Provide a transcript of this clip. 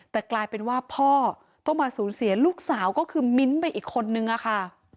แต่กลายเป็นว่าพ่อต้องมาสูญเสียลูกสาวก็คือมิ้นท์ไปอีกคนนึงอะค่ะ